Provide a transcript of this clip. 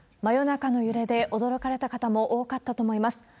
真夜中の揺れで驚かれた方も多かったと思います。